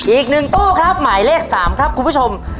อีก๑ตู้ครับหมายเลข๓ครับคุณผู้ชม